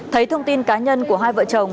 thấy thông tin cá nhân của hai vợ chồng